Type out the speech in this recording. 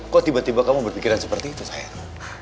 kok tiba tiba kamu berpikiran seperti itu sayang